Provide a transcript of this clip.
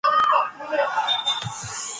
O Jolie, so much, so much!